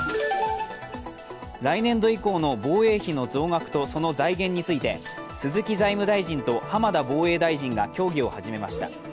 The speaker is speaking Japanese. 来年度以降の防衛費の増額とその財源について鈴木財務大臣と浜田防衛大臣が協議を始めました。